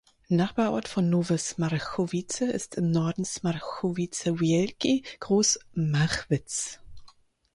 Nachbarort von Nowe Smarchowice ist im Norden Smarchowice Wielkie ("Groß Marchwitz").